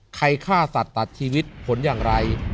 ฆ่าสัตว์ตัดชีวิตผลอย่างไร